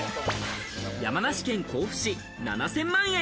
山梨県甲府市、７０００万円。